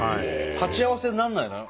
鉢合わせになんないの？